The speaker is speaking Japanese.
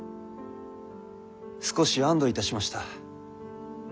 少し安堵いたしました。